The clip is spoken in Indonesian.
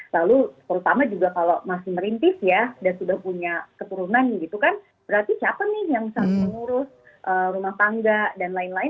lalu terutama juga kalau masih merintis ya dan sudah punya keturunan gitu kan berarti siapa nih yang mengurus rumah tangga dan lain lain